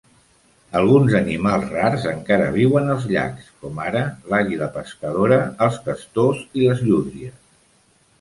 Alguns animals rars encara viuen als llacs, com ara l'àguila pescadora, els castors i les llúdries.